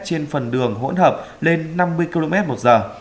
trên phần đường hỗn hợp lên năm mươi km một giờ